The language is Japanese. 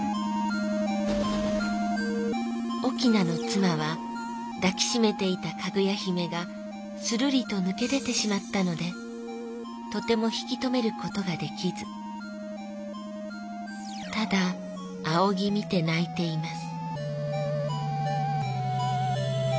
「翁のつまはだきしめていたかぐや姫がするりとぬけでてしまったのでとても引き止めることができずただあおぎみて泣いています」。